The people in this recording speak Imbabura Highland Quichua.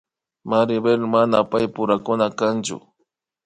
Maribel mana paypurakuna kanchu